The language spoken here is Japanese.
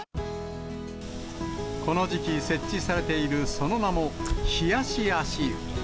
この時期、設置されている、その名も、冷やし足湯。